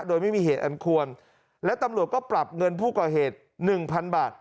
โดยไม่มีเหตุอันควรและตำรวจก็ปรับเงินผู้ก่อเหตุหนึ่งพันบาท